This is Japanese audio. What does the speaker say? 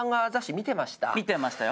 見てましたよ。